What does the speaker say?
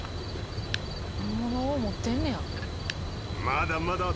本物を持ってんねや。